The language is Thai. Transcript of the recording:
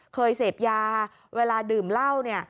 เคยเสพยาเวลาดื่มเหล้าเนี่ย